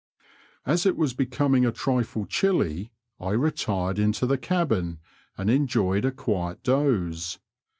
As it was becomiDg a trifle chilly, I retired into the cabin and enjoyed a quiet doze.